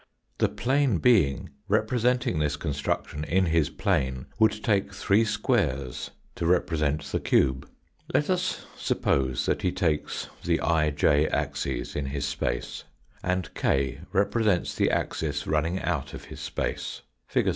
The plane being representing this construction in his plane would take three squares to represent the cube. Let us suppose that he takes the ij axes in his space and k represents the axis running out of his space, fig.